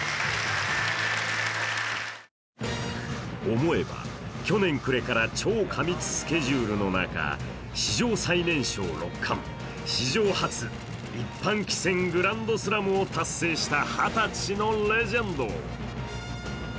思えば、去年暮れから超過密スケジュールの中史上最年少六冠、史上初一般棋戦グランドスラムを達成した二十歳のレジェンド。